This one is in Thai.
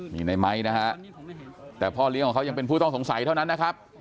มีในไม้นะฮะแต่พ่อเลี้ยงของเขายังเป็นผู้ต้องสงสัยเท่านั้นนะครับ